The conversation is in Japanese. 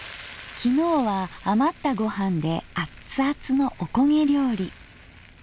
昨日は余ったごはんでアッツアツのおこげ料理。